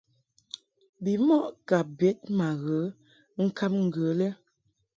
Bimɔʼ ka bed ma ghe ŋkab ŋgə lɛ.